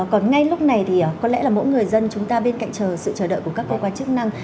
còn ngay lúc này thì có lẽ là mỗi người dân chúng ta bên cạnh chờ sự chờ đợi của các cơ quan chức năng